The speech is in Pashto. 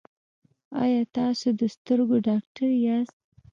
ایا تاسو د سترګو ډاکټر یاست؟